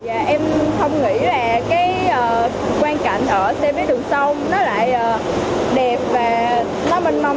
em không nghĩ là cái quan cảnh ở xe bếp đường sông nó lại đẹp và nó minh mông